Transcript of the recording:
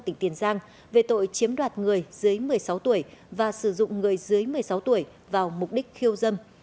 tỉnh tiền giang về tội chiếm đoạt người dưới một mươi sáu tuổi và sử dụng người dưới một mươi sáu tuổi vào mục đích khiêu dâm